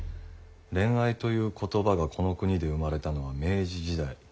恋愛という言葉がこの国で生まれたのは明治時代。